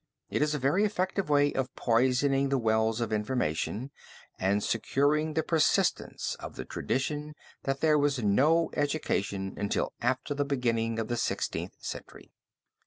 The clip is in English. It is a very effective way of poisoning the wells of information and securing the persistence of the tradition that there was no education until after the beginning of the Sixteenth Century.